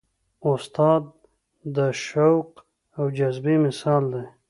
استاد د شوق او جذبې مثال دی.